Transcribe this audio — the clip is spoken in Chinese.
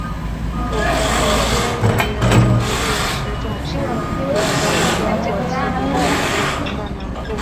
古坟邻接于佐纪石冢山古坟和佐纪陵山古坟的南部。